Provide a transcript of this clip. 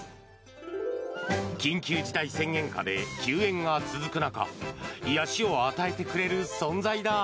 緊急事態宣言下で休園が続く中癒やしを与えてくれる存在だ。